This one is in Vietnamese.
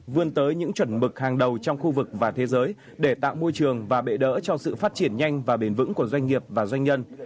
vươn tới những chuẩn mực hàng đầu trong khu vực và thế giới để tạo môi trường và bệ đỡ cho sự phát triển nhanh và bền vững của doanh nghiệp và doanh nhân